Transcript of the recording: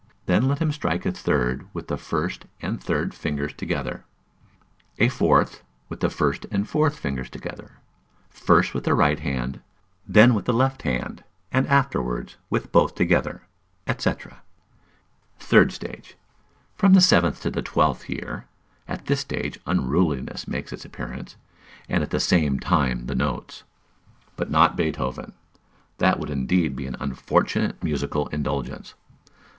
Then let him strike a third with the first and third fingers together; a fourth, with the first and fourth fingers; first with the right hand, then with the left hand, and afterwards with both together, &c. Third Stage. From the seventh to the twelfth year. At this stage unruliness makes its appearance, and at the same time the notes; but not Beethoven. That would indeed be an unfortunate musical indulgence.